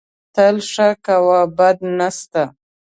تل ښه کوه، بد نه سته